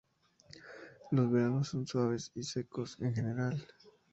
Los veranos son suaves y secos, en general.